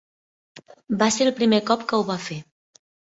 Va ser el primer cop que ho va fer.